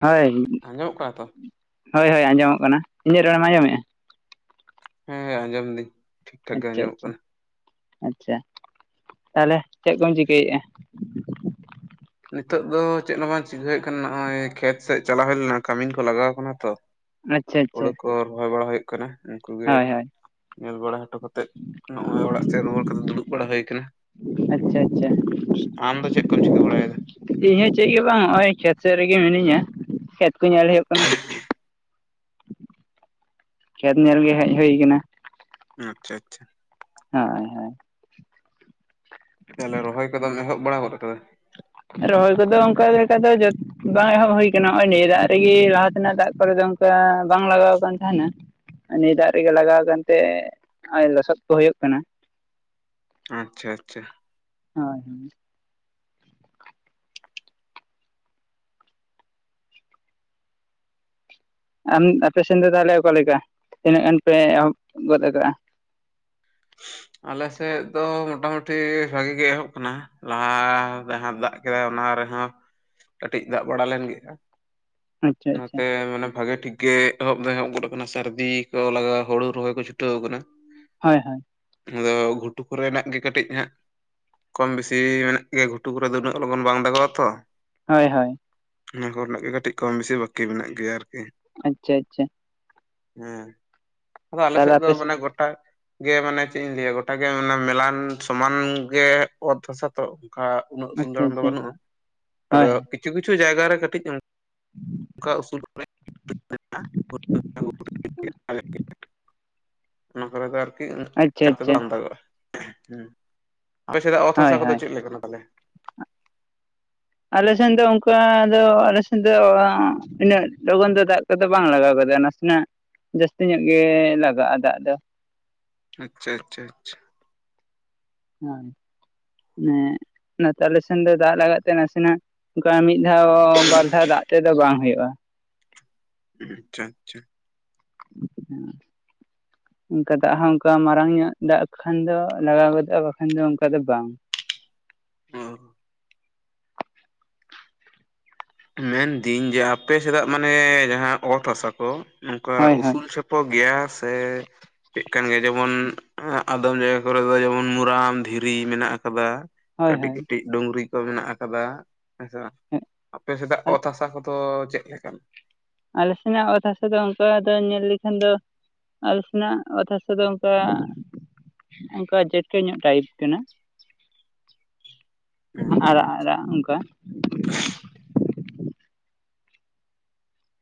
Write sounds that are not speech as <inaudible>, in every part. ᱦᱚᱭ ᱟᱸᱡᱚᱢᱚᱜ ᱠᱚᱣᱟ ᱛᱚ? ᱦᱳᱭ ᱦᱳᱭ ᱟᱸᱡᱚᱢᱚᱜ ᱠᱟᱱᱟ ᱤᱧᱟᱹᱜ ᱨᱚᱲ ᱮᱢ ᱟᱸᱡᱚᱢᱮᱸᱼᱟ? ᱦᱮᱸ ᱟᱸᱡᱚᱢ ᱫᱟᱹᱧ ᱾ ᱟᱪᱪᱷᱟ, ᱪᱷᱟ ᱾ ᱟᱪᱷᱟ ᱛᱟᱦᱚᱞᱮ ᱪᱮᱫ ᱠᱚᱢ ᱪᱤᱠᱟᱹᱭ ᱮᱜᱼᱟ? ᱱᱤᱛᱚᱜ ᱫᱚ ᱪᱮᱫ ᱦᱚᱸ ᱵᱟᱝ ᱪᱤᱠᱟᱹᱭᱮᱫ ᱱᱤᱛᱚᱜ ᱫᱚ ᱱᱤᱛᱚᱜ ᱫᱚ ᱪᱮᱫ ᱦᱚᱸ ᱵᱟᱝ ᱪᱤᱠᱟᱹᱭ ᱦᱩᱭᱩᱜ ᱠᱟᱱᱟ ᱱᱚᱜᱼᱚᱭ ᱠᱷᱮᱛ ᱥᱮᱫ ᱪᱟᱞᱟᱣ ᱦᱩᱭ ᱞᱮᱱᱟ ᱠᱟᱹᱢᱤᱱ ᱠᱚ ᱞᱟᱜᱟᱣ ᱟᱠᱟᱱᱟ ᱛᱚ ᱟᱪᱪᱷᱟ ᱟᱪᱪᱷᱟ ᱦᱩᱲᱳ ᱠᱚ ᱨᱚᱦᱚᱭ ᱵᱟᱲᱟ ᱦᱩᱭᱩᱜ ᱠᱟᱱᱟ ᱩᱱᱠᱩ ᱜᱮ ᱦᱳᱭ ᱦᱳᱭ ᱧᱮᱞ ᱵᱟᱲᱟ ᱦᱚᱴᱚ ᱠᱟᱛᱮᱫ ᱱᱚᱜᱼᱚᱭ ᱚᱲᱟᱜ ᱥᱮᱫ ᱨᱩᱣᱟᱹᱲ ᱠᱟᱛᱮ ᱫᱩᱲᱩᱵ ᱵᱟᱲᱟ ᱦᱩᱭ ᱟᱠᱟᱱᱟ ᱾ ᱟᱪᱪᱷᱟ, ᱟᱪᱪᱷᱟ ᱾ ᱟᱢ ᱫᱚ ᱪᱮᱫ ᱠᱚᱢ ᱪᱤᱠᱟᱹ ᱵᱟᱲᱟᱭᱫᱟ? ᱤᱧ ᱦᱚᱸ ᱪᱮᱫ ᱜᱮ ᱵᱟᱝ ᱱᱚᱜᱼᱚᱭ ᱠᱷᱮᱛ ᱥᱮᱫ ᱨᱮᱜᱮ ᱢᱤᱱᱟᱹᱧᱟ ᱠᱷᱮᱛ ᱠᱚ ᱧᱮᱞ ᱦᱩᱭᱩᱜ ᱠᱟᱱᱟ ᱾ ᱠᱷᱮᱛ ᱧᱮᱞ ᱜᱮ ᱦᱮᱡ ᱦᱩᱭ ᱟᱠᱟᱱᱟ ᱾ ᱟᱪᱪᱷᱟ, ᱪᱷᱟ, ᱪᱷᱟ ᱾ ᱦᱳᱭ ᱦᱳᱭ ᱾ ᱛᱚᱦᱞᱮ ᱨᱚᱦᱚᱭ ᱠᱚᱫᱚᱢ ᱮᱦᱚᱵ ᱵᱟᱲᱟ ᱜᱚᱫ ᱠᱟᱫᱟ? ᱨᱚᱦᱚᱭ ᱠᱚᱫᱚ ᱚᱱᱠᱟ ᱞᱮᱠᱟ ᱫᱚ ᱡᱟᱥ ᱵᱟᱝ ᱮᱦᱚᱵ ᱦᱩᱭ ᱟᱠᱟᱱᱟ ᱱᱚᱜᱼᱚᱭ ᱱᱤᱭᱟᱹ ᱫᱟᱜ ᱨᱮᱜᱮ ᱞᱟᱦᱟ ᱛᱮᱱᱟᱜ ᱫᱟᱜ ᱠᱚᱨᱮ ᱫᱚ ᱵᱟᱝ ᱞᱟᱜᱟᱣ ᱠᱟᱱᱟᱱ ᱛᱟᱦᱮᱱᱟ ᱱᱤᱭᱟᱹ ᱫᱟᱜ ᱨᱮᱜᱮ ᱞᱟᱜᱟᱣ ᱟᱠᱟᱱᱛᱮ ᱞᱚᱥᱚᱫ ᱠᱚ ᱦᱩᱭᱩᱜ ᱠᱟᱱᱟ ᱟᱪᱪᱷᱟ ᱟᱪᱪᱷᱟ ᱦᱟᱸ ᱦᱩᱸ ᱟᱢ ᱟᱯᱮ ᱥᱮᱱ ᱫᱚ ᱛᱟᱦᱚᱞᱮ ᱚᱠᱟ ᱞᱮᱠᱟ ᱛᱤᱱᱟᱹᱜ ᱜᱟᱱ ᱯᱮ ᱮᱦᱚᱵ ᱜᱚᱫ ᱟᱠᱟᱜᱼᱟ ᱟᱞᱮ ᱥᱮᱫ ᱫᱚ ᱢᱚᱴᱟᱢᱩᱴᱤ ᱵᱷᱟᱜᱤ ᱜᱮ ᱮᱦᱚᱵ ᱠᱟᱱᱟ ᱞᱟᱦᱟ ᱡᱟᱸᱦᱟᱸ ᱫᱟᱜ ᱠᱮᱫᱟᱭ ᱚᱱᱟ ᱨᱮᱦᱚᱸ ᱠᱟᱴᱤᱡ ᱫᱟᱜ ᱵᱟᱲᱟ ᱞᱮᱱ ᱜᱮᱭᱟ ᱟᱪᱪᱷᱟ ᱟᱪᱪᱷᱟ ᱱᱚᱛᱮ ᱢᱟᱱᱮ ᱵᱷᱟᱜᱮ ᱴᱷᱤᱠ ᱜᱮ ᱮᱦᱚᱵ ᱫᱚ ᱮᱦᱚᱵ ᱜᱚᱫ ᱟᱠᱟᱱᱟ ᱥᱟᱨᱫᱤ ᱠᱚ ᱞᱟᱜᱟᱣ ᱦᱳᱲᱳ ᱨᱚᱦᱚᱭ ᱠᱚ ᱪᱷᱩᱴᱟᱹᱣ ᱟᱠᱟᱱᱟ ᱦᱚᱭ ᱦᱚᱭ ᱱᱟᱫᱚ ᱜᱷᱩᱴᱩ ᱠᱚᱨᱮᱱᱟᱜ ᱜᱮ ᱠᱟᱴᱤᱡ ᱦᱟᱸᱜ ᱠᱚᱢ ᱵᱮᱥᱤ ᱢᱮᱱᱟᱜ ᱜᱮᱭᱟ ᱜᱷᱩᱴᱩ ᱠᱚᱨᱮ ᱫᱚ ᱩᱱᱟᱹᱜ ᱞᱚᱜᱚᱱ ᱵᱟᱝ ᱫᱟᱜᱚᱜᱼᱟ ᱛᱚ ᱦᱳᱭ ᱦᱳᱭ ᱚᱱᱟ ᱠᱚᱨᱮᱱᱟᱜ ᱜᱮ ᱠᱟᱴᱤᱡ ᱠᱚᱢ ᱵᱮᱥᱤ ᱵᱟᱠᱤ ᱢᱮᱱᱟᱜ ᱜᱮᱭᱟ ᱟᱨᱠᱤ ᱟᱪᱪᱷᱟ ᱟᱪᱪᱷᱟ ᱦᱮᱸ ᱟᱫᱚ ᱟᱞᱮ ᱛᱟᱦᱚᱞᱮ ᱥᱮᱫ ᱫᱚ ᱟᱯᱮ ᱢᱟᱱᱮ ᱜᱚᱴᱟ ᱜᱮ ᱢᱟᱱᱮ ᱪᱮᱫ ᱤᱧ ᱞᱟᱹᱭᱟ ᱜᱚᱴᱟᱜᱮ ᱢᱟᱱᱮ ᱢᱮᱞᱟᱱ ᱥᱚᱢᱟᱱ ᱜᱮ ᱚᱛ ᱦᱟᱥᱟ ᱛᱚ ᱚᱱᱠᱟ ᱩᱱᱟᱹᱜ ᱥᱤᱸᱧ ᱟᱪᱪᱷᱟ ᱫᱟᱲᱟᱱ ᱫᱚ ᱟᱪᱪᱷᱟ ᱵᱟᱱᱩᱜᱼᱟ ᱟᱫᱚ ᱦᱳᱭ ᱦᱳᱭ ᱠᱤᱪᱷᱩ ᱠᱤᱪᱷᱩ ᱡᱟᱭᱜᱟ ᱨᱮ ᱠᱟᱹᱴᱤᱡ ᱚᱱ ᱚᱱᱠᱟ ᱩᱥᱩ <unintelligible> ᱚᱱᱟ ᱠᱚᱨᱮ ᱫᱚ ᱟᱨᱠᱤ ᱟᱪᱪᱷᱟ ᱪᱟᱨᱯ ᱫᱚ ᱟᱪᱪᱷᱟ ᱟᱢᱫᱟᱜᱚᱜᱼᱟ ᱦᱩᱸ ᱟᱯᱮ ᱥᱮᱫᱟᱜ ᱚᱛ ᱦᱳᱭ ᱦᱟᱥᱟ ᱠᱚᱫᱚ ᱦᱳᱭ ᱪᱮᱫ ᱞᱮᱠᱟᱱᱟ ᱛᱟᱞᱦᱮ ᱟᱞᱮ ᱥᱮᱱ ᱫᱚ ᱚᱱᱠᱟ ᱫᱚ ᱟᱞᱮ ᱥᱮᱱ ᱫᱚ ᱩᱱᱟᱹᱜ ᱞᱚᱜᱚᱱ ᱫᱚ ᱫᱟᱜ ᱱᱚᱛᱮ ᱫᱚ ᱵᱟᱝ ᱞᱟᱜᱟᱣ ᱜᱚᱫᱚᱜ-ᱟ ᱱᱟᱥᱮᱱᱟᱜ ᱡᱟᱥᱛᱤ ᱧᱚᱜ ᱜᱮ ᱞᱟᱜᱟᱜᱼᱟ ᱫᱟᱜ ᱫᱚ ᱟᱪᱪᱷᱟ ᱟᱪᱪᱷᱟ ᱟᱪᱪᱷᱟ ᱦᱳᱭ ᱢᱟᱱᱮ ᱚᱱᱟᱛᱮ ᱟᱞᱮ ᱥᱮᱱ ᱫᱚ ᱫᱟᱜ ᱞᱟᱜᱟᱜ ᱛᱮ ᱱᱟᱥᱤᱱᱟᱜ ᱚᱱᱠᱟ ᱢᱤᱫ ᱫᱷᱟᱣ ᱵᱟᱨ ᱫᱷᱟᱣ ᱫᱟᱜ ᱛᱮᱫᱚ ᱵᱟᱝ ᱦᱩᱭᱩᱜᱼᱟ ᱟᱪᱪᱷᱟ ᱟᱪᱪᱷᱟ ᱦᱩᱸ ᱚᱱᱠᱟ ᱫᱟᱜ ᱦᱚᱸ ᱚᱱᱠᱟ ᱢᱟᱨᱟᱝ ᱧᱚᱜ ᱫᱟᱜ ᱠᱷᱟᱱ ᱫᱚ ᱞᱟᱜᱟᱣ ᱜᱚᱫᱚᱜᱼᱟ ᱵᱟᱠᱷᱟᱱ ᱫᱚ ᱚᱱᱠᱟ ᱫᱚ ᱵᱟᱝ ᱚ ᱢᱮᱱᱫᱤᱧ ᱡᱮ ᱟᱯᱮ ᱥᱮᱫᱟᱜ ᱢᱟᱱᱮ ᱡᱟᱸᱦᱟᱸ ᱚᱛ ᱦᱟᱥᱟ ᱠᱚ ᱱᱚᱝᱠᱟ ᱦᱳᱭ ᱦᱳᱭ ᱩᱥᱩᱞ ᱪᱷᱮᱯ ᱯᱚ ᱜᱮᱭᱟ ᱟ ᱥᱮᱻᱮ ᱪᱮᱫ ᱠᱟᱱ ᱜᱮᱭᱟ ᱡᱮᱢᱚᱱ ᱟᱫᱚᱢ ᱡᱟᱭᱜᱟ ᱠᱚᱨᱮ ᱫᱚ ᱡᱮᱢᱚᱱ ᱢᱩᱨᱟᱢ ᱫᱷᱤᱨᱤ ᱢᱮᱱᱟᱜ ᱟᱠᱟᱫᱟ ᱦᱳᱭ ᱠᱟᱴᱤᱡ ᱦᱳᱭ ᱠᱟᱴᱤᱡ ᱰᱩᱝᱨᱤ ᱠᱚ ᱢᱮᱱᱟᱜ ᱟᱠᱟᱫᱟ ᱦᱮᱸᱥᱮ ᱩᱸᱜᱽ ᱟᱯᱮ ᱥᱮᱫᱟᱜ ᱚᱛ ᱦᱟᱥᱟ ᱠᱚᱫᱚ ᱪᱮᱫ ᱞᱮᱠᱟᱱ ᱟᱞᱮ ᱥᱮᱱᱟᱜ ᱚᱛ ᱦᱟᱥᱟ ᱫᱚ ᱚᱱᱠᱟ ᱫᱚ ᱧᱮᱞ ᱞᱮᱠᱷᱟᱱ ᱫᱚ ᱟᱞᱮ ᱥᱮᱱᱟᱜ ᱚᱛ ᱦᱟᱥᱟ ᱫᱚ ᱚᱱᱠᱟ ᱚᱱᱠᱟ ᱡᱮᱴᱮ ᱧᱚᱜ ᱴᱟᱭᱤᱯ ᱠᱟᱱᱟ <inaudible> ᱟᱪᱪᱷᱟ ᱟᱨᱟᱜ ᱟᱨᱟᱜ ᱚᱱᱠᱟ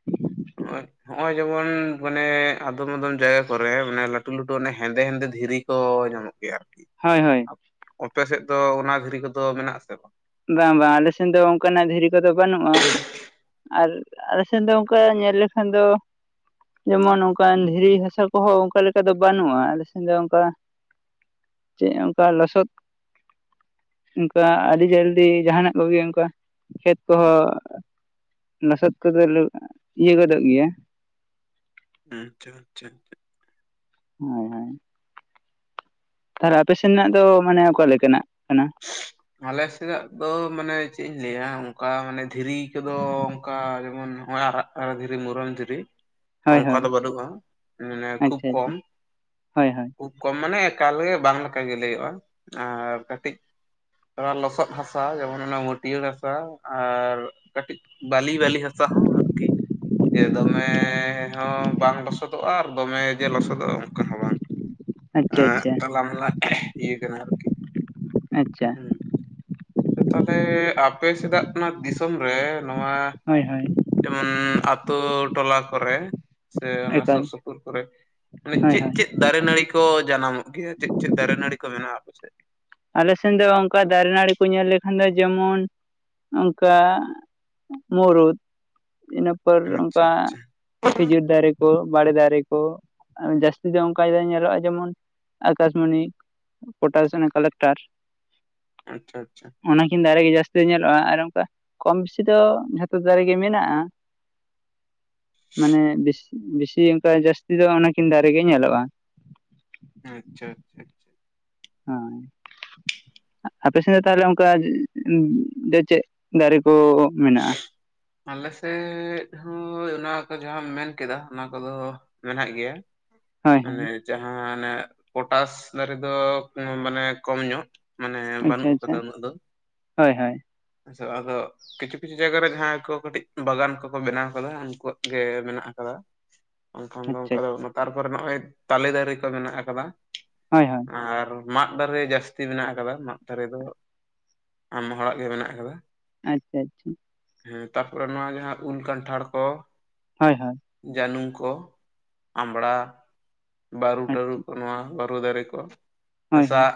<inaudible> ᱱᱚᱜᱽ ᱚᱭ ᱱᱚᱜᱼᱚᱭ ᱡᱮᱢᱚᱱ ᱢᱟᱱᱮ ᱟᱫᱚᱢ ᱟᱫᱚᱢ ᱡᱟᱭᱜᱟ ᱠᱚᱨᱮ ᱢᱟᱱᱮ ᱞᱟᱹᱴᱩ ᱞᱟᱹᱴᱩ ᱚᱱᱮ ᱦᱮᱸᱫᱮ ᱦᱮᱸᱫᱮ ᱫᱷᱤᱨᱤ ᱠᱚ ᱧᱟᱢᱚᱜ ᱠᱟᱱᱟ ᱮᱹ ᱟᱨᱠᱤ ᱦᱚᱭ ᱦᱳᱭ ᱚᱯᱮ ᱥᱮᱫ ᱫᱚ ᱚᱱᱟ ᱫᱷᱤᱨᱤ ᱠᱚᱫᱚ ᱢᱮᱱᱟᱜ ᱟᱥᱮ ᱵᱟᱝ ᱵᱟᱝ ᱵᱟᱝ ᱟᱞᱮ ᱥᱮᱱ ᱫᱚ ᱚᱱᱠᱟᱱᱟᱜ ᱫᱷᱤᱨᱤ ᱠᱚᱫᱚ ᱵᱟᱱᱩᱜᱼᱟ ᱟᱨ ᱟᱞᱮ ᱥᱮᱱ ᱫᱚ ᱚᱱᱠᱟ ᱧᱮᱞ ᱞᱮᱠᱷᱟᱱ ᱫᱚ ᱡᱮᱢᱚᱱ ᱚᱱᱠᱟᱱ ᱫᱷᱤᱨᱤ ᱦᱟᱥᱟ ᱠᱚᱦᱚᱸ ᱚᱱᱠᱟ ᱞᱮᱠᱟ ᱫᱚ ᱵᱟᱹᱱᱩᱜᱼᱟ ᱟᱞᱮ ᱥᱮᱱ ᱫᱚ ᱚᱱᱠᱟ ᱪᱮᱫ ᱚᱱᱠᱟ ᱞᱚᱥᱚᱫ ᱚᱱᱠᱟ ᱟᱨᱤ ᱡᱟᱞᱤ ᱫᱤ ᱡᱟᱦᱟᱱᱟᱜ ᱠᱚᱜᱮ ᱚᱱᱠᱟ ᱠᱷᱮᱛ ᱠᱚᱸᱦᱚ᱾ ᱞᱚᱥᱚᱫ ᱠᱚᱫᱚ ᱤᱭᱟᱹ ᱜᱚᱫᱚᱜ ᱜᱮᱭᱟ᱾ ᱟᱪᱪᱷᱟ ᱟᱪᱷᱟ ᱟᱪᱪᱷᱟ ᱦᱳᱭ ᱦᱳᱭ ᱟᱨ ᱟᱯᱮ ᱥᱮᱱᱟᱜ ᱫᱚ ᱢᱟᱱᱮ ᱚᱠᱟ ᱞᱮᱠᱟᱱᱟᱜ ᱠᱟᱱᱟ? ᱟᱞᱮ ᱥᱮᱱᱟᱜ ᱫᱚ ᱢᱟᱱᱮ ᱪᱮᱫ ᱤᱧ ᱞᱟᱹᱭᱟ, ᱚᱱᱠᱟ ᱢᱟᱱᱮ ᱫᱷᱤᱨᱤ ᱠᱚᱫᱚ ᱚᱱᱠᱟ ᱡᱮᱢᱚᱱ ᱱᱚᱜᱼᱚᱭ ᱟᱨᱟᱜ ᱫᱷᱤᱨᱤ ᱢᱩᱨᱟᱹᱱ ᱫᱷᱤᱨᱤ ᱦᱳᱭ ᱚᱱᱠᱟ ᱦᱳᱭ ᱫᱚ ᱵᱟᱹᱱᱩᱜᱼᱟ, ᱢᱟᱱᱮ ᱠᱷᱩᱵ ᱟᱪᱪᱷᱟ ᱟᱪᱪᱷᱟ ᱠᱚᱢ᱾ ᱦᱳᱭ ᱦᱳᱭ ᱠᱷᱩᱵ ᱠᱚᱢ ᱢᱟᱱᱮ ᱮᱠᱟᱞᱜᱮ ᱵᱟᱝ ᱞᱮᱠᱟᱜᱮ ᱞᱟᱹᱭᱟᱹᱜ-ᱟ ᱟᱨ ᱠᱟᱹᱴᱤᱡ ᱛᱚᱲᱟ ᱞᱚᱥᱚᱫ ᱦᱟᱥᱟ ᱡᱮᱢᱚᱱ ᱚᱱᱟ ᱢᱟᱹᱴᱭᱟᱹᱲ ᱦᱟᱥᱟ ᱟᱨ ᱠᱟᱹᱴᱤᱡ ᱵᱟᱞᱤ ᱵᱟᱞᱤ ᱦᱟᱥᱟ ᱦᱚᱸ ᱟᱨᱠᱤ ᱡᱮ ᱫᱚᱢᱮ ᱦᱚᱸ ᱵᱟᱝ ᱞᱚᱥᱚᱫ ᱟᱨ ᱫᱚᱢᱮ ᱡᱮ ᱞᱚᱥᱚᱫᱚᱜᱼᱟ, ᱚᱱᱠᱟ ᱦᱚᱸ ᱵᱟᱝ᱾ ᱟᱪᱪᱷᱟ ᱮᱸ ᱟᱪᱪᱷᱟ ᱛᱟᱞᱟᱢᱟᱞᱟ ᱤᱭᱟᱹ ᱠᱟᱱᱟ ᱟᱨᱠᱤ᱾ ᱟᱪᱪᱷᱟ ᱛᱟᱦᱞᱮ ᱟᱯᱮ ᱥᱮᱫᱟᱜ ᱢᱟ ᱫᱤᱥᱚᱢ ᱨᱮ ᱱᱚᱣᱟ ᱦᱳᱭ ᱦᱳᱭ ᱡᱮᱢᱚᱱ ᱟᱹᱛᱩ ᱴᱚᱞᱟ ᱠᱚᱨᱮ ᱥᱮ ᱚᱱᱟ ᱮᱠᱟᱞ ᱥᱩᱨ ᱥᱩᱯᱩᱨ ᱠᱚᱨᱮ ᱢᱟᱱᱮ ᱦᱳᱭ ᱪᱮᱫ ᱦᱳᱭ ᱪᱮᱫ ᱫᱟᱨᱮ ᱱᱟᱹᱲᱤ ᱠᱚ ᱡᱟᱱᱟᱢᱚᱜ ᱜᱮᱭᱟ ᱪᱤᱫ ᱪᱤᱫ ᱫᱟᱨᱮ ᱱᱟᱹᱨᱤ ᱠᱚ ᱢᱮᱱᱟᱜᱼᱟ ᱟᱯᱮᱥᱮᱫ? ᱟᱞᱮ ᱥᱮᱱ ᱫᱚ ᱚᱱᱠᱟ ᱫᱟᱨᱮ ᱱᱟᱹᱲᱤ ᱠᱚ ᱧᱮᱞ ᱞᱮᱠᱷᱟᱱ ᱫᱚ ᱡᱮᱢᱚᱱ ᱚᱱᱠᱟ ᱢᱩᱨᱩᱫ ᱤᱱᱟᱹᱯᱚᱨ ᱟᱪᱪᱷᱟ ᱚᱱᱠᱟ ᱟᱪᱪᱷᱟ ᱠᱷᱤᱡᱩᱨ ᱫᱟᱨᱮ ᱠᱩ ᱵᱟᱲᱮ ᱫᱟᱨᱮ ᱠᱩ ᱡᱟᱹᱥᱛᱤ ᱫᱚ ᱚᱱᱠᱟ ᱧᱮᱞᱚᱜ-ᱟ, ᱡᱮᱢᱚᱱ ᱟᱠᱟᱥᱢᱚᱱᱤ, ᱯᱚᱴᱟᱥ ᱚᱱᱟ ᱠᱟᱞᱮᱠᱴᱟᱨ ᱟᱪᱪᱷᱟ ᱟᱪᱪᱷᱟ ᱚᱱᱟᱠᱤᱱ ᱫᱟᱨᱮ ᱜᱮ ᱡᱟᱹᱥᱛᱤ ᱫᱚ ᱧᱮᱞᱚᱜ-ᱟ ᱟᱨ ᱚᱱᱠᱟ ᱠᱚᱢ ᱵᱮᱥᱤ ᱫᱚ ᱡᱷᱚᱛᱚ ᱫᱟᱨᱮ ᱜᱮ ᱢᱮᱱᱟᱜ-ᱟ᱾ ᱢᱟᱱᱮ ᱵᱮᱥᱤ ᱚᱱᱠᱟ ᱡᱟᱹᱥᱛᱤ ᱫᱚ ᱚᱱᱟᱠᱤᱱ ᱫᱟᱨᱮ ᱜᱮ ᱧᱮᱞᱚᱜ-ᱟ᱾ ᱟᱪᱪᱷᱟ ᱟᱪᱪᱷᱟ ᱦᱳᱭ ᱟᱯᱮ ᱥᱮᱫ ᱫᱚ ᱛᱟᱦᱚᱞᱮ ᱚᱱᱠᱟ ᱩ ᱪᱮ, ᱪᱮᱫ ᱫᱟᱨᱮ ᱠᱚ ᱢᱮᱱᱟᱜ-ᱟ? ᱟᱞᱮᱥᱮᱫ ᱦᱚᱸ ᱚᱱᱟ ᱠᱚ ᱡᱟᱦᱟᱸᱢ ᱢᱮᱱ ᱠᱮᱫᱟ᱾ ᱚᱱᱟ ᱠᱚᱫᱚ ᱢᱮᱱᱟᱜ ᱜᱮᱭᱟ᱾ ᱦᱳᱭ ᱦᱳᱭ ᱢᱟᱱᱮ ᱡᱟᱦᱟᱸ ᱚᱱᱮ ᱯᱚᱴᱟᱥ ᱫᱟᱨᱮ ᱫᱚ ᱢᱟᱱᱮ ᱠᱚᱢ ᱧᱚᱜ ᱢᱟᱱᱮ ᱟᱪᱪᱷᱟ ᱵᱟᱹᱱᱩᱜ ᱟᱪᱪᱷᱟ ᱠᱟᱫᱟ ᱩᱱᱟᱹᱜ ᱫᱚ ᱦᱳᱭ ᱦᱳᱭ ᱟᱫᱚ ᱠᱤᱪᱷᱩ ᱠᱤᱪᱷᱩ ᱡᱟᱭᱜᱟ ᱨᱮ ᱡᱟᱦᱟᱸᱭ ᱠᱚ ᱠᱟᱹᱴᱤᱡ ᱵᱟᱜᱟᱱ ᱠᱚᱠᱚ ᱵᱮᱱᱟᱣ ᱟᱠᱟᱫᱟ ᱩᱱᱠᱩᱣᱟᱜ ᱜᱮ ᱢᱮᱱᱟᱜ ᱟᱠᱟᱫᱟ᱾ ᱮᱱᱠᱷᱟᱱ ᱫᱚ ᱟᱪᱪᱷᱟ ᱚᱱᱠᱟ ᱫᱚ ᱛᱟᱨᱯᱚᱨᱮ ᱱᱚᱜ-ᱚᱭ ᱛᱟᱞᱮ ᱫᱟᱨᱮ ᱠᱚ ᱢᱮᱱᱟᱜ ᱟᱠᱟᱫᱟ᱾ ᱦᱳᱭ ᱦᱳᱭ ᱟᱨ ᱢᱟᱫ ᱫᱟᱨᱮ ᱡᱟᱹᱥᱛᱤ ᱢᱮᱱᱟᱜ ᱟᱠᱟᱫᱟ ᱢᱟᱫ ᱫᱟᱨᱮ ᱫᱚ ᱟᱭᱢ ᱦᱚᱲᱟᱜ ᱜᱮ ᱢᱮᱱᱟᱜ ᱟᱠᱟᱫᱟ᱾ ᱟᱪᱪᱷᱟ ᱟᱪᱪᱷᱟ ᱦᱩᱸ ᱛᱟᱯᱚᱨᱮ ᱱᱚᱣᱟ ᱡᱟᱦᱟᱸ ᱩᱞ, ᱠᱟᱱᱴᱷᱟᱲ ᱠᱚ ᱦᱮᱸ ᱦᱮᱸ ᱡᱟᱹᱱᱩᱢ ᱠᱩ ᱟᱢᱵᱟᱲᱟ, ᱵᱟᱹᱨᱩᱴᱟᱹᱨᱩ ᱟᱪᱪᱷᱟ ᱠᱚ, ᱱᱚᱣᱟ ᱵᱩᱨᱩ ᱫᱟᱨᱮ ᱠᱚ, ᱦᱳᱭ ᱦᱳᱭ ᱦᱮᱸᱥᱟᱜ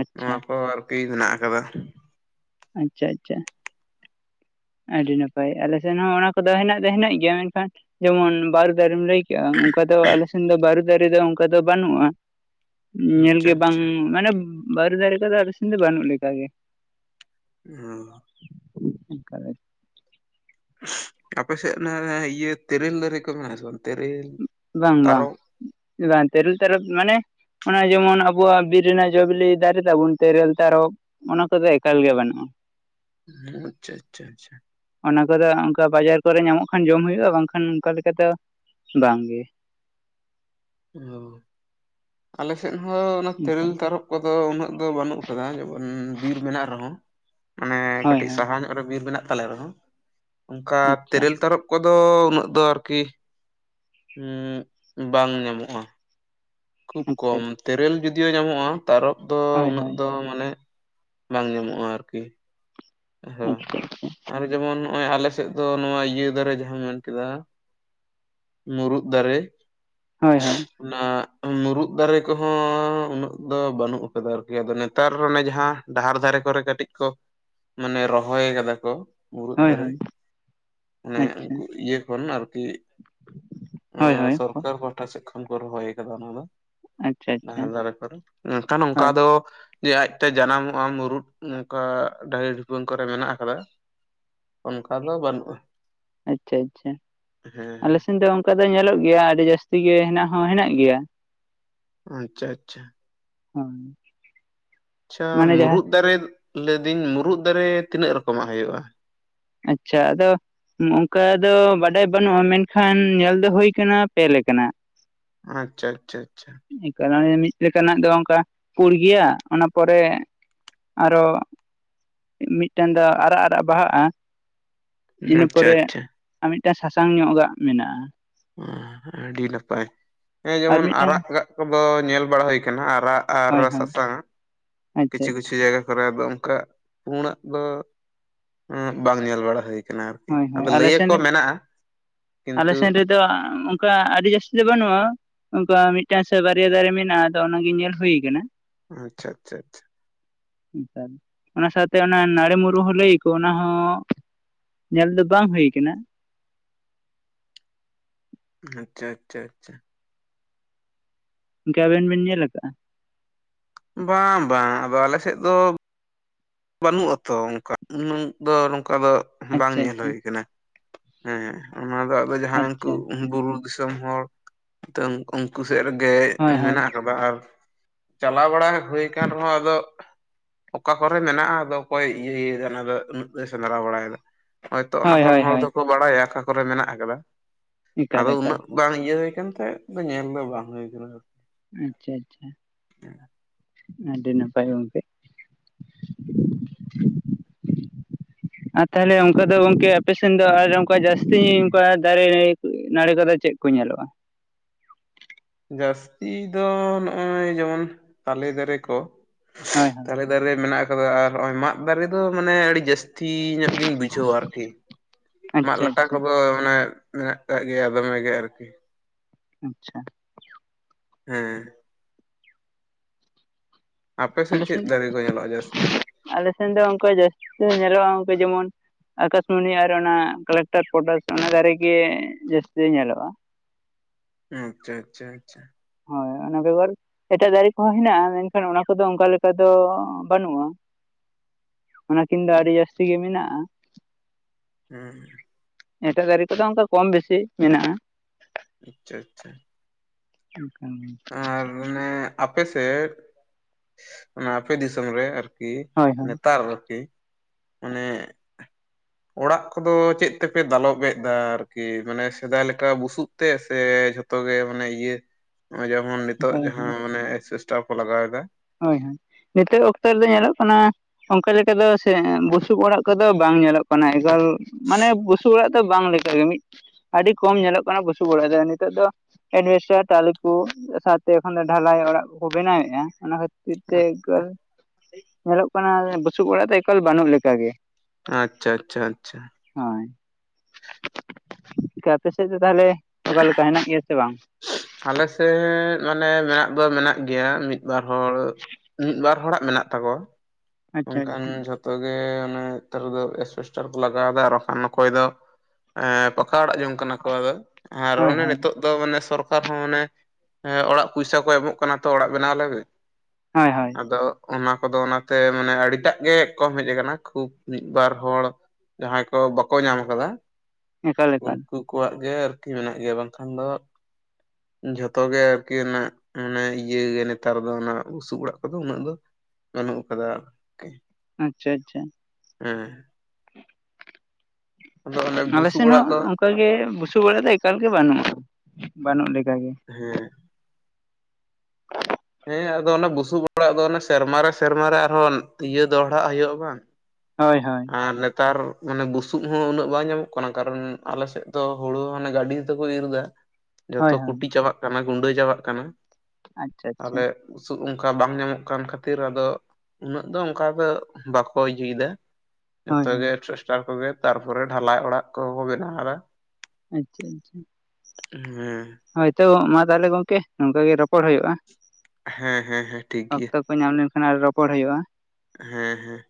ᱟᱪᱪᱷᱟ ᱱᱚᱣᱟ ᱠᱚ ᱵᱤᱨ ᱦᱮᱱᱟᱜ ᱠᱟᱫᱟ᱾ ᱟᱪᱪᱷᱟ ᱟᱪᱪᱷᱟ ᱟᱹᱰᱤ ᱱᱟᱯᱟᱭ ᱟᱞᱮ ᱥᱮᱱ ᱦᱚᱸ, ᱚᱱᱟ ᱠᱚᱫᱚ ᱦᱮᱱᱟᱜ ᱫᱚ ᱦᱮᱱᱟᱜ ᱜᱮᱭᱟ, ᱢᱮᱱᱠᱷᱟᱱ ᱡᱮᱢᱚᱱ ᱵᱟᱨᱩ ᱫᱟᱨᱮᱢ ᱞᱟᱹᱭ ᱚᱱᱠᱟ ᱫᱚ ᱟᱞᱮᱥᱮᱱ ᱫᱚ ᱵᱟᱨᱩ ᱫᱟᱨᱮ ᱫᱚ ᱚᱱᱠᱟ ᱫᱚ ᱵᱟᱱᱩᱜ-ᱟ᱾ ᱟᱪᱪᱷᱟ ᱧᱮᱞᱜᱮ ᱵᱟᱝ ᱟᱪᱪᱷᱟ ᱢᱟᱱᱮ ᱵᱟᱨᱩ ᱫᱟᱨᱮ ᱠᱚᱫᱚ ᱟᱞᱮ ᱥᱮᱱ ᱫᱚ ᱵᱟᱹᱱᱩᱜ ᱞᱮᱠᱟᱜᱮ᱾ ᱦᱚᱸ <inaudible> ᱟᱯᱮ ᱥᱮ ᱚᱱᱮ ᱤᱭᱟᱹ ᱛᱤᱨᱤᱞ ᱫᱟᱨᱤ ᱠᱚ ᱢᱮᱱᱟᱜ-ᱟ ᱥᱮ ᱵᱟᱝ ᱛᱤᱨᱤᱞ? ᱵᱟᱝ ᱵᱟᱝ ᱪᱮᱫᱟᱜ ᱛᱤᱨᱤᱞ ᱛᱟᱨᱚᱵ ᱢᱟᱱᱮ ᱚᱱᱟ ᱡᱮᱢᱚᱱ ᱟᱵᱚᱣᱟᱜ ᱵᱤᱨ ᱨᱮᱱᱟᱜ ᱡᱚ ᱵᱤᱞᱤ ᱫᱟᱨᱤ ᱛᱟᱵᱚᱱ ᱛᱤᱨᱤᱞ ᱛᱟᱨᱚᱵ ᱚᱱᱟ ᱠᱚᱫᱚ ᱮᱠᱟᱞ ᱜᱮ ᱵᱟᱱᱩᱜ-ᱟ᱾ ᱩ ᱟᱪᱪᱷᱟ ᱟᱪᱪᱷᱟ ᱟᱪᱪᱷᱟ᱾ ᱚᱱᱟ ᱠᱚᱫᱚ ᱚᱝᱠᱟ ᱵᱟᱡᱟᱨ ᱠᱚᱨᱮ ᱧᱟᱢᱚᱜ ᱠᱷᱟᱱ ᱡᱚᱢ ᱦᱩᱭᱩᱜᱼᱟ᱾ ᱵᱟᱝᱠᱷᱟᱱ ᱚᱝᱠᱟ ᱫᱚ ᱵᱟᱝ ᱜᱮ᱾ ᱟᱞᱮ ᱥᱮᱫ ᱦᱚᱸ ᱚᱱᱟ ᱛᱮᱨᱮᱞ ᱛᱟᱨᱚᱵᱽ ᱠᱚᱫᱚ ᱩᱱᱟᱹᱜ ᱫᱚ ᱵᱟᱹᱱᱩᱜ ᱠᱟᱫᱟ᱾ ᱡᱮᱢᱚᱱ ᱵᱤᱨ ᱢᱮᱱᱟᱜ ᱨᱮᱦᱚᱸ ᱢᱟᱱᱮ ᱦᱳᱭ ᱠᱟᱹᱴᱤᱡ ᱦᱳᱭ ᱥᱟᱦᱟ ᱵᱤᱨ ᱢᱮᱱᱟᱜ ᱛᱟᱞᱮ ᱨᱮᱦᱚᱸ ᱚᱝᱠᱟ ᱟᱪᱪᱷᱟ ᱛᱮᱨᱮᱞ ᱛᱟᱨᱚᱵ ᱠᱚᱫᱚ ᱩᱱᱟᱹᱜ ᱫᱚ ᱟᱨᱠᱤ ᱩᱸ ᱵᱟᱝ ᱧᱟᱢᱚᱜᱼᱟ᱾ ᱠᱷᱩᱵ ᱟᱪᱪᱷᱟ ᱠᱚᱢ ᱛᱮᱨᱮᱞ ᱡᱩᱫᱤᱭᱳ ᱧᱟᱢᱚᱜᱼᱟ᱾ ᱛᱟᱨᱚᱵ ᱫᱚ ᱦᱳᱭ ᱩᱱᱟᱹᱜ ᱦᱳᱭ ᱫᱚ ᱢᱟᱱᱮ ᱵᱟᱝ ᱧᱟᱢᱚᱜᱼᱟ ᱟᱨᱠᱤ᱾ ᱦᱮᱸ ᱟᱪᱪᱷᱟ ᱟᱨ ᱡᱮᱢᱚᱱ ᱱᱚᱜᱼᱚᱭ ᱟᱞᱮ ᱥᱮᱫ ᱫᱚ ᱱᱚᱣᱟ ᱤᱭᱟᱹ ᱫᱟᱨᱮ ᱡᱟᱦᱟᱸ ᱢᱮᱱ ᱠᱮᱫᱟ᱾ ᱢᱩᱨᱩᱫ ᱫᱟᱨᱮ, ᱦᱳᱭ ᱦᱳᱭ᱾ ᱚᱱᱟ ᱢᱩᱨᱩᱜ ᱫᱟᱨᱮ ᱠᱚᱦᱚᱸ ᱩᱱᱟᱹᱜ ᱫᱚ ᱵᱟᱹᱱᱩᱜ ᱟᱠᱟᱫᱟ᱾ ᱟᱨᱠᱤ ᱟᱫᱚ ᱱᱮᱛᱟᱨ ᱚᱱᱮ ᱡᱟᱦᱟᱸ ᱰᱟᱦᱟᱨ ᱫᱷᱟᱨᱮ ᱠᱚᱨᱮ ᱠᱟᱹᱴᱤᱡ ᱠᱚ ᱢᱟᱱᱮ ᱨᱚᱦᱚᱭ ᱠᱟᱫᱟ ᱠᱚ, ᱢᱩᱨᱩᱫ ᱦᱳᱭ ᱫᱟᱨᱮ, ᱦᱳᱭ ᱚᱱᱮ ᱟᱪᱪᱷᱟ ᱩᱱᱠᱩ ᱤᱭᱟᱹ ᱠᱷᱚᱱ ᱟᱨᱠᱤ ᱮ ᱦᱳᱭ ᱦᱳᱭ ᱥᱚᱨᱠᱟᱨ ᱴᱷᱟ ᱥᱮᱫ ᱠᱷᱚᱱ ᱠᱚ ᱨᱚᱦᱚᱭ ᱠᱟᱫᱟ᱾ ᱚᱱᱟ ᱫᱚ ᱟᱪᱪᱷᱟ <unintelligible> ᱟᱪᱪᱷᱟ ᱱᱟᱦᱮᱞ ᱫᱟᱨᱮ ᱠᱚᱨᱮ ᱢᱮᱱᱠᱷᱟᱱ ᱚᱱᱠᱟ ᱦᱳᱭ ᱫᱚ ᱡᱮ ᱟᱡᱛᱮ ᱡᱟᱱᱟᱢᱚᱜᱼᱟ᱾ ᱢᱩᱨᱩᱫ ᱱᱚᱝᱠᱟ ᱰᱟᱭ <unintelligible> ᱠᱚᱨᱮ ᱢᱮᱱᱟᱜ ᱟᱠᱟᱫᱟ ᱚᱱᱠᱟ ᱫᱚ ᱵᱟᱹᱱᱩᱜᱼᱟ᱾ ᱟᱪᱪᱷᱟ ᱟᱪᱪᱷᱟ, ᱦᱮᱸ ᱟᱞᱮ ᱥᱮᱱ ᱫᱚ ᱚᱝᱠᱟ ᱫᱚ ᱧᱮᱞᱚᱜ ᱜᱮᱭᱟ ᱟᱹᱰᱤ ᱡᱟᱹᱥᱛᱤ ᱜᱮ ᱦᱮᱱᱟᱜ ᱦᱚᱸ ᱦᱮᱱᱟᱜ ᱜᱮᱭᱟ᱾ ᱟᱪᱪᱷᱟ ᱟᱪᱪᱷᱟ᱾ ᱦᱳᱭ᱾ ᱟᱪᱪᱷᱟ ᱢᱟᱱᱮ ᱡᱟᱦᱟᱸ ᱢᱩᱨᱩᱫ ᱫᱟᱨᱮ ᱞᱟᱹᱭᱫᱟᱹᱧ ᱢᱩᱨᱩᱫ ᱫᱟᱨᱮ ᱛᱤᱱᱟᱹᱜ ᱨᱚᱠᱚᱢᱟᱜ ᱦᱳᱭᱳᱜᱼᱟ? ᱟᱪᱪᱷᱟ ᱟᱫᱚ ᱚᱝᱠᱟ ᱫᱚ ᱵᱟᱰᱟᱭ ᱵᱟᱹᱱᱩᱜᱼᱟ᱾ ᱢᱮᱱᱠᱷᱟᱱ ᱧᱮᱞ ᱫᱚ ᱦᱳᱭ ᱠᱟᱱᱟ ᱯᱮ ᱞᱮᱠᱟᱱᱟᱜ᱾ ᱟᱪᱪᱷᱟ ᱟᱪᱪᱷᱟ ᱟᱪᱪᱷᱟ᱾ ᱮ ᱠᱟᱨᱚᱱᱮ ᱢᱤᱫ ᱞᱮᱠᱟᱱᱟᱜ ᱫᱚ ᱚᱝᱠᱟ ᱯᱳᱲ ᱜᱮᱭᱟ ᱚᱱᱟ ᱯᱚᱨᱮ ᱟᱨᱚ ᱢᱤᱫᱴᱮᱱ ᱫᱚ ᱟᱨᱟᱜ ᱟᱨᱟᱜ ᱵᱟᱦᱟᱜᱼᱟ᱾ ᱤᱱᱟᱹ ᱟᱪᱪᱷᱟ ᱯᱚᱨᱮ ᱟᱪᱪᱷᱟ ᱟᱨ ᱢᱤᱴᱟᱝ ᱥᱟᱥᱟᱝ ᱧᱚᱜᱟᱜ ᱢᱮᱱᱟᱜᱼᱟ᱾ ᱟ ᱟᱹᱰᱤ ᱱᱟᱯᱟᱭ ᱦᱮᱸ ᱟᱨ ᱡᱮᱢᱚᱱ ᱢᱤᱫᱴᱟᱝ ᱟᱨᱟᱜᱼᱟᱜ ᱠᱚᱫᱚ ᱧᱮᱞ ᱵᱟᱲᱟ ᱦᱳᱭ ᱠᱟᱱᱟ ᱟᱨᱟᱜ ᱟᱨ ᱦᱳᱭ ᱦᱳᱭ ᱥᱟᱥᱟᱝ ᱟᱪᱪᱷᱟ ᱠᱤᱪᱷᱩ ᱠᱤᱪᱷᱩ ᱡᱟᱭᱜᱟ <unintelligible> ᱫᱚ ᱚᱝᱠᱟ ᱯᱩᱲᱟᱹᱜ ᱫᱚ ᱮ ᱵᱟᱝ ᱧᱮᱞ ᱵᱟᱲᱟ ᱦᱳᱭ ᱦᱳᱭ ᱦᱳᱭ ᱟᱞᱮ ᱥᱮᱱ ᱟᱞᱮ ᱠᱤᱱᱛᱩ ᱥᱮᱱ ᱨᱮᱫᱚ ᱠᱟ ᱟᱹᱰᱤ ᱡᱟᱹᱥᱛᱤ ᱫᱚ ᱵᱟᱹᱱᱩᱜᱼᱟ ᱚᱝᱠᱟ ᱢᱤᱫᱴᱟᱝ ᱥᱮ ᱵᱟᱨᱭᱟ ᱫᱟᱨᱮ ᱢᱮᱱᱟᱜᱼᱟ᱾ ᱟᱫᱚ ᱚᱱᱟ ᱜᱮ ᱧᱮᱞ ᱦᱳᱭ ᱠᱟᱱᱟ᱾ ᱟᱪᱪᱷᱟ ᱟᱪᱪᱷᱟ ᱟᱪᱪᱷᱟ᱾ <unintelligible> ᱚᱱᱟ ᱥᱟᱶᱛᱮ ᱚᱱᱟ ᱱᱟᱹᱲᱮ ᱢᱩᱨᱢᱩᱜ ᱦᱚᱸ ᱞᱟᱹᱭ ᱠᱚ ᱚᱱᱟ ᱦᱚᱸ ᱧᱮᱞ ᱫᱚ ᱵᱟᱝ ᱦᱳᱭ ᱠᱟᱱᱟ᱾ ᱟᱪᱪᱷᱟ ᱟᱪᱪᱷᱟ ᱟᱪᱪᱷᱟ᱾ ᱚᱝᱠᱮ ᱟᱵᱮᱱ ᱵᱤᱱ ᱧᱮᱞ ᱠᱟᱜᱼᱟ? ᱵᱟᱝ ᱵᱟᱝ, ᱟᱫᱚ ᱟᱞᱮᱥᱮᱫ ᱫᱚ ᱵᱟᱹᱱᱩᱜ ᱟᱛᱚ ᱚᱝᱠᱟ ᱩᱱᱟᱹᱝ ᱫᱚ ᱱᱚᱝᱠᱟ ᱫᱚ ᱵᱟᱝ ᱟᱪᱪᱷᱟ ᱧᱮᱞ ᱟᱪᱪᱷᱟ ᱦᱳᱭ ᱠᱟᱱᱟ᱾ ᱦᱮᱸ ᱚᱱᱟ ᱫᱚ ᱟᱫᱚ ᱡᱟᱦᱟᱸᱭ ᱩᱝᱠᱩ ᱟᱪᱪᱷᱟ ᱵᱩᱨᱩ ᱫᱤᱥᱚᱢ ᱦᱚᱲ <unintelligible> ᱩᱝᱠᱩ ᱥᱮᱜ ᱨᱮᱜᱮ ᱦᱳᱭ ᱦᱳᱭ ᱢᱮᱱᱟᱜᱼᱟ᱾ ᱠᱟᱫᱟ ᱟᱨ ᱪᱟᱞᱟᱣ ᱵᱟᱲᱟ ᱦᱳᱭ ᱠᱟᱱ ᱨᱮᱦᱚᱸ ᱟᱫᱚ ᱚᱠᱟ ᱠᱚ ᱢᱮᱱᱟᱜᱼᱟ ᱟᱫᱚ ᱚᱠᱚᱭ ᱤᱭᱟᱹᱭ ᱫᱟ ᱩᱱᱟᱹᱜ ᱫᱚ ᱥᱮᱸᱫᱽᱨᱟ ᱵᱟᱲᱟᱭ ᱫᱟ ᱦᱚᱭᱛᱚ ᱚᱱᱟ ᱦᱳᱭ ᱠᱚᱨᱮᱱ ᱦᱳᱭ ᱦᱚᱲ ᱦᱳᱭ ᱫᱚ ᱠᱚ ᱵᱟᱲᱟᱭᱟ ᱟᱠᱟ ᱠᱚᱨᱮ ᱢᱮᱱᱟᱜ ᱟᱠᱟᱫᱟ᱾ ᱮᱠᱟᱞ ᱟᱫᱚ ᱮᱠᱟᱞ ᱩᱱᱟᱹᱜ ᱵᱟᱝ ᱤᱭᱟᱹ ᱦᱩᱭ ᱠᱟᱱᱛᱮ ᱧᱮᱞ ᱫᱚ ᱵᱟᱝ ᱦᱳᱭ ᱠᱟᱱᱟ᱾ ᱟᱪᱪᱷᱟ ᱟᱪᱪᱷᱟ ᱟᱹᱰᱤ ᱱᱟᱯᱟᱭ ᱜᱚᱝᱠᱮ <unintelligible> ᱟᱨ ᱛᱟᱦᱟᱞᱮ ᱚᱱᱠᱟ ᱫᱚ ᱜᱚᱝᱠᱮ ᱟᱯᱮ ᱥᱮᱱ ᱫᱚ ᱟᱨ ᱚᱱᱠᱟ ᱡᱟᱹᱥᱛᱤ ᱚᱱᱠᱟ ᱫᱟᱨᱮ ᱨᱮ ᱱᱟᱲᱤᱹ ᱠᱚᱫᱚ ᱪᱮᱫ ᱠᱚ ᱧᱮᱞᱚᱜᱼᱟ? ᱡᱟᱥᱛᱤ ᱫᱚ ᱱᱚᱜᱼᱚᱭ ᱡᱮᱢᱚᱱ ᱛᱟᱞᱮ ᱫᱟᱨᱮ ᱠᱚ ᱦᱳᱭ ᱻᱦᱳᱭ ᱛᱟᱞᱮ ᱫᱟᱨᱮ ᱢᱮᱱᱟᱜ ᱟᱠᱟᱫᱟ ᱟᱨ ᱱᱚᱜᱼᱚᱭ ᱢᱟᱜ ᱫᱟᱨᱮ ᱫᱚ ᱢᱟᱱᱮ ᱟᱹᱰᱤ ᱡᱟᱹᱥᱛᱤ ᱛᱤᱦᱤᱱᱚ ᱧᱚᱜ ᱜᱤᱧ ᱵᱩᱡᱷᱟᱹᱣᱟ ᱟᱨᱠᱤ ᱢᱟᱜ ᱟᱪᱪᱷᱟ ᱞᱟᱴᱟ ᱟᱪᱪᱷᱟ ᱠᱚᱫᱚ ᱚᱱᱮ ᱢᱮᱱᱟᱜ ᱠᱟᱜ ᱜᱮᱭᱟ ᱫᱚᱢᱮ ᱮᱜᱮᱨ ᱟᱪᱷᱟ ᱾ ᱦᱮᱸ᱾ ᱟᱯᱮᱥᱮᱜ ᱟᱞᱮ ᱥᱮᱱ ᱪᱮᱫ ᱫᱟᱨᱮ ᱠᱚ ᱧᱮᱞᱚᱜᱼᱟ ᱡᱟᱹᱥᱛᱤ ᱟᱞᱮ ᱥᱮᱱ ᱫᱚ ᱚᱱᱠᱟ ᱡᱟᱥᱛᱤ ᱧᱮᱞᱚᱜᱼᱟ ᱡᱮᱢᱚᱱ ᱟᱠᱟᱥᱢᱚᱱᱤ ᱟᱨ ᱚᱱᱟ ᱠᱟᱞᱮᱠᱴᱟᱨ ᱯᱷᱳᱴᱚᱥ ᱚᱱᱟ ᱫᱟᱨᱮ ᱜᱮ ᱡᱟᱹᱥᱛᱤ ᱧᱮᱞᱚᱜᱼᱟ ᱾ ᱟᱪᱪᱷᱟ ᱟᱪᱪᱷᱟ ᱟᱪᱪᱷᱟ ᱾ ᱦᱳᱭ ᱚᱱᱟ ᱵᱮᱜᱚᱨ ᱮᱴᱟᱜ ᱫᱟᱨᱮ ᱠᱚᱦᱚᱸ ᱦᱮᱱᱟᱜᱼᱟ ᱢᱮᱱ ᱠᱷᱟᱱ ᱚᱱᱟ ᱠᱚᱫᱚ ᱚᱱᱠᱟ ᱞᱮᱠᱟ ᱫᱚ ᱵᱟᱹᱱᱩᱜᱼᱟ ᱾ ᱚᱱᱟ ᱠᱤᱱ ᱫᱚ ᱟᱰᱤ ᱡᱟᱹᱟᱥᱛᱤ ᱜᱤ ᱢᱮᱱᱟᱜᱼᱟ ᱾ ᱦᱮᱸ ᱾ ᱮᱴᱟᱜ ᱫᱟᱨᱮ ᱠᱚᱫᱚ ᱚᱱᱠᱟ ᱠᱚᱢ ᱵᱮᱥᱤ ᱢᱮᱱᱟᱜᱼᱟ ᱾ ᱟᱪᱪᱷᱟ ᱟᱪᱪᱷᱟ ᱾ ᱚᱱᱠᱟᱱ ᱜᱮ᱾ ᱟᱨ ᱚᱱᱮ ᱟᱯᱮ ᱥᱮᱫ ᱚᱱᱟ ᱟᱯᱮ ᱫᱤᱥᱚᱢ ᱨᱮ ᱠᱤ ᱦᱳᱭ ᱦᱳᱭ ᱱᱮᱛᱟᱨᱜᱤ ᱚᱱᱮ <inaudible> <unintelligible> ᱚᱲᱟᱜ ᱠᱚᱫᱚ ᱪᱮᱫ ᱛᱮᱯᱮ ᱫᱟᱞᱚᱵ ᱮᱫᱟ ᱟᱨᱠᱤ ᱢᱟᱱᱮ ᱥᱮᱫᱟᱹᱭ ᱞᱮᱠᱟ ᱵᱩᱥᱩᱵ ᱛᱮ ᱥᱮ ᱡᱷᱚᱛᱚ ᱜᱮ ᱢᱟᱱᱮ ᱤᱭᱟᱹ ᱱᱚᱜᱼᱚᱭ ᱡᱮᱢᱚᱱ ᱱᱤᱛᱚᱜ ᱡᱟᱦᱟᱸ ᱢᱟᱱᱮ ᱮᱥᱵᱮᱥᱴᱟᱨ ᱠᱚ ᱞᱟᱜᱟᱣ ᱮᱫᱟ ᱾ ᱦᱳᱭ ᱦᱳᱭ ᱾ ᱱᱤᱛᱚᱜ ᱚᱠᱛᱚ ᱨᱮᱫᱚ ᱧᱮᱞᱚᱜ ᱠᱟᱱᱟ ᱚᱱᱠᱟ ᱞᱮᱠᱟ ᱫᱚ ᱥᱮ ᱵᱩᱥᱩᱵ ᱚᱲᱟᱜ ᱠᱚᱫᱚ ᱵᱟᱝ ᱧᱮᱞᱚᱜ ᱠᱟᱱᱟ ᱾ ᱢᱟᱱᱮ ᱮᱜᱟᱞ ᱢᱟᱱᱮ ᱵᱩᱥᱩᱵ ᱚᱲᱟᱜ ᱫᱚ ᱵᱟᱝ ᱞᱮᱠᱟ ᱜᱮ ᱢᱤᱞ‌ ᱟᱹᱰᱤ ᱠᱚᱢ ᱧᱮᱞᱚᱜ ᱠᱟᱱᱟ ᱵᱩᱥᱩᱵ ᱚᱲᱟᱜ ᱫᱚ ᱱᱤᱛᱚᱜ ᱫᱚ ᱮᱰᱵᱮᱥᱴᱟᱨ ᱴᱟᱞᱮ ᱠᱚ ᱥᱟᱶᱛ ᱚᱱᱮ ᱰᱷᱟᱞᱟᱭ ᱚᱲᱟᱜ ᱠᱚᱠᱚ ᱵᱮᱱᱟᱣ ᱮᱜᱼᱟ ᱚᱱᱟ ᱡᱮ ᱛᱮ ᱧᱮᱞᱚᱜ ᱠᱟᱱᱟ ᱵᱩᱥᱩᱵ ᱚᱲᱟᱜ ᱫᱚ ᱮᱠᱟᱞ ᱵᱟᱹᱱᱩᱜ ᱞᱮᱠᱟ ᱜᱮ ᱾ ᱟᱪᱪᱷᱟ ᱟᱪᱪᱷᱟ ᱟᱪᱪᱷᱟ ᱾ ᱦᱳᱭ ᱾ ᱟᱯᱮ ᱥᱮᱫ ᱫᱚ‌ ᱚᱠᱟ ᱞᱮᱠᱟ ᱦᱮᱱᱟᱜ ᱯᱮᱭᱟ ᱥᱮ ᱵᱟᱝ? ᱟᱞᱮ ᱥᱮᱫ ᱢᱟᱱᱮ ᱢᱮᱱᱟᱜ ᱫᱚ ᱢᱮᱱᱟᱜ ᱜᱮᱭᱟ ᱾ ᱢᱤᱫ ᱵᱟᱨ ᱦᱚᱲ ᱢᱤᱫ ᱵᱟᱨ ᱦᱚᱲᱟᱜ ᱢᱮᱱᱟᱜ ᱛᱟᱠᱚᱣᱟ ᱾ ᱟᱪᱪᱷᱟ ᱚᱱᱠᱟᱱ ᱟᱪᱪᱷᱟ ᱡᱚᱛᱚ ᱜᱮ ᱚᱱᱮ ᱱᱮᱛᱟᱨ ᱮᱥᱵᱮᱥᱴᱟᱨ ᱠᱚ ᱞᱟᱜᱟᱣᱫᱟ ᱾ ᱨᱚᱯᱟᱱ ᱚᱠᱚᱭ ᱫᱚ ᱮᱸ ᱯᱟᱠᱟ ᱚᱲᱟᱜ ᱡᱚᱝ ᱠᱟᱱᱟ ᱠᱚ ᱟᱫᱚ ᱟᱨ ᱦᱳᱭ ᱦᱳᱭ ᱱᱤᱛᱳᱜ ᱫᱚ ᱫᱚ ᱢᱟᱱᱮ ᱥᱚᱨᱠᱟᱨ ᱦᱚᱸ ᱟᱱᱮ ᱚᱲᱟᱜ ᱯᱚᱭᱥᱟ ᱠᱚ ᱮᱢᱚᱜ ᱠᱟᱱᱟ ᱛᱚ ᱚᱲᱟᱜ ᱵᱮᱱᱟᱣ ᱞᱟᱹᱜᱤᱫ ᱾ ᱦᱳᱭ ᱦᱳᱭ ᱾ ᱟᱫᱚ ᱚᱱᱟ ᱠᱚᱫᱚ ᱚᱱᱟ ᱛᱮ ᱢᱟᱱᱮ ᱟᱹᱰᱤᱴᱟᱜ ᱜᱮ ᱠᱚᱢ ᱦᱮᱡ ᱟᱠᱟᱱᱟ ᱠᱷᱩᱵ ᱢᱤᱫ ᱵᱟᱨ ᱦᱚᱲ ᱡᱟᱦᱟᱸᱭ ᱠᱚ ᱵᱟᱠᱚ ᱧᱟᱢ ᱟᱠᱟᱫᱟ ᱮᱠᱟᱞ ᱮᱠᱟᱞ ᱾ᱩᱱᱠᱩ ᱠᱚᱣᱟᱜ ᱜᱮ ᱟᱨᱠᱤ ᱢᱮᱱᱟᱜ ᱜᱮᱭᱟ ᱾ ᱵᱟᱝᱠᱷᱟᱱ ᱫᱚ ᱡᱷᱚᱛᱚ ᱜᱮ ᱟᱨᱠᱤ ᱢᱟᱱᱮ ᱤᱭᱟᱹ ᱜᱮ ᱱᱮᱛᱟᱨ ᱫᱚ ᱚᱱᱟ ᱵᱩᱥᱩᱵ ᱚᱲᱟᱜ ᱠᱚᱫᱚ ᱩᱱᱟᱹᱜ ᱫᱚ ᱵᱟᱹᱱᱩᱜ ᱟᱠᱟᱫᱟ ᱾ ᱦᱳᱭ ᱾ ᱟᱪᱪᱷᱟ ᱟᱪᱪᱷᱟ ᱾ ᱦᱮᱸ ᱾ ᱟᱫᱚ ᱚᱱᱮ ᱟᱞᱮ ᱵᱩᱥᱩᱵ ᱥᱮᱱ ᱚᱲᱟᱜ ᱦᱚᱸ ᱫᱚ ᱚᱱᱠᱟ ᱜᱮ ᱵᱩᱥᱩᱵ ᱚᱲᱟᱜ ᱫᱚ ᱮᱠᱟᱞ ᱜᱮ ᱵᱟᱹᱱᱩᱜᱼᱟ ᱵᱟᱹᱱᱩᱜ ᱞᱮᱠᱟ ᱜᱮ ᱾ ᱦᱮᱸ ᱾ ᱦᱮᱸ ᱟᱫᱚ ᱚᱱᱟ ᱵᱩᱥᱩᱵ ᱚᱲᱟᱜ ᱫᱚ ᱥᱮᱨᱢᱟ ᱨᱮ ᱥᱮᱨᱢᱟ ᱨᱮ ᱟᱨ ᱦᱚᱸ ᱤᱭᱟᱹ ᱫᱚᱦᱲᱟ ᱟᱜ ᱦᱩᱭᱩᱜᱼᱟ ᱵᱟᱝ? ᱦᱳᱭ ᱦᱳᱭ ᱾ ᱟᱨ ᱱᱮᱛᱟᱨ ᱢᱟᱱᱮ ᱵᱩᱥᱩᱵ ᱦᱚᱸ ᱩᱱᱟᱹᱜ ᱵᱟᱝ ᱧᱟᱢᱚᱜ ᱠᱟᱱᱟ᱾ ᱠᱟᱨᱚᱱ ᱟᱞᱮᱥᱮᱫ ᱫᱚ ᱦᱩᱲᱳ ᱦᱟᱱᱮ ᱜᱟᱹᱰᱤ ᱛᱮᱠᱚ ᱤᱨ ᱮᱟ᱾ ᱡᱚᱛᱚ ᱦᱳᱭ ᱦᱳᱭ ᱠᱩᱴᱤ ᱪᱟᱵᱟᱜ ᱠᱟᱱᱟ ᱜᱩᱰᱟᱹ ᱪᱟᱵᱟᱜ ᱠᱟᱱᱟ᱾ ᱟᱪᱪᱷᱟ ᱟᱪᱪᱷᱟ ᱛᱟᱦᱚᱞᱮ ᱵᱩᱥᱩᱵᱯ ᱚᱱᱠᱟ ᱵᱟᱝ ᱧᱟᱢᱚᱜ ᱠᱟᱱ ᱠᱷᱟᱹᱛᱤᱨ, ᱟᱫᱚ ᱩᱱᱟᱹᱜ ᱫᱚ ᱚᱱᱠᱟ ᱫᱚ ᱵᱟᱠᱚ ᱤᱭᱟᱹᱭᱮᱫᱟ᱾ ᱦᱳᱭ ᱡᱚᱛᱚᱜ ᱜᱮ ᱦᱳᱭ <unintelligible> ᱠᱚᱜᱮ ᱛᱟᱨᱯᱚᱨᱮ ᱰᱷᱟᱞᱟᱭ ᱚᱲᱟᱜ ᱠᱚᱦᱚᱸ ᱠᱚ ᱵᱮᱱᱟᱣᱫᱟ᱾ ᱟᱪᱪᱷᱟ ᱟᱪᱪᱷᱟ‌ ᱦᱮᱸ ᱦᱳᱭ ᱛᱚ ᱢᱟ ᱛᱟᱦᱚᱞᱮ ᱜᱚᱝᱠᱮ ᱱᱚᱝᱠᱟ ᱜᱮ ᱨᱚᱯᱚᱲ ᱦᱩᱭᱩᱜᱼᱟ᱾ ᱦᱮᱸ ᱦᱮᱸ ᱦᱮᱸ ᱴᱷᱤᱠ ᱜᱮᱭᱟ᱾ ᱚᱠᱛᱚ ᱠᱚ ᱧᱟᱢ ᱞᱮᱱᱠᱷᱟᱱ ᱟᱨ ᱨᱚᱯᱚᱲ ᱦᱩᱭᱩᱜᱼᱟ᱾ ᱦᱮᱸ ᱦᱮᱸ